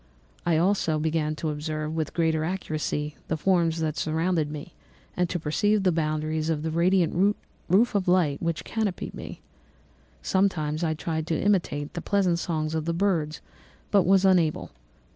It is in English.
I began also to observe, with greater accuracy, the forms that surrounded me and to perceive the boundaries of the radiant roof of light which canopied me. Sometimes I tried to imitate the pleasant songs of the birds but was unable.